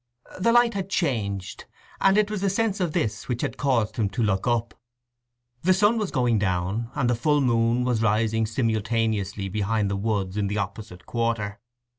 The light had changed, and it was the sense of this which had caused him to look up. The sun was going down, and the full moon was rising simultaneously behind the woods in the opposite quarter.